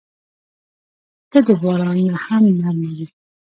• ته د باران نه هم نرمه یې.